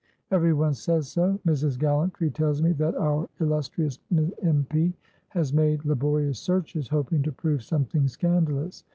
"Everyone says so. Mrs. Gallantry tells me that our illustrious M. P. has made laborious searches, hoping to prove something scandalous.